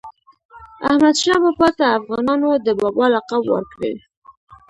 احمدشاه بابا ته افغانانو د "بابا" لقب ورکړی.